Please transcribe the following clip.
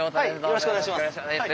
よろしくお願いします。